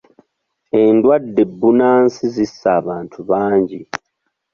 Endwadde bunnansi zisse abantu bangi.